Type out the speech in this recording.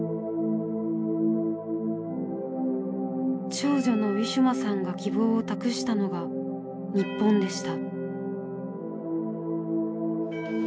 長女のウィシュマさんが希望を託したのが日本でした。